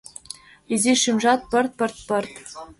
Изи шӱмжат — пырт-пырт-пырт.